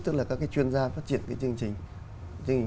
tức là các cái chuyên gia phát triển cái chương trình